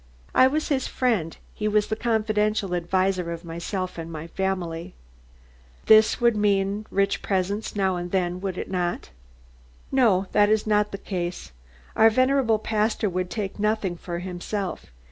"I was his friend. He was the confidential adviser of myself and family." "This would mean rich presents now and then, would it not?" "No, that is not the case. Our venerable pastor would take nothing for himself.